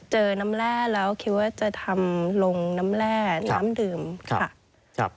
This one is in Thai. เจอน้ำแร่แล้วคิดว่าจะทำลงน้ำแร่น้ำดื่มค่ะ